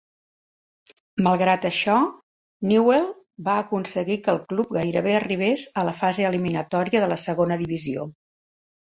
Malgrat això, Newell va aconseguir que el club gairebé arribés a la fase eliminatòria de la Segona Divisió.